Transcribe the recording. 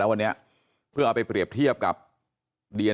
แล้วก็ยัดลงถังสีฟ้าขนาด๒๐๐ลิตร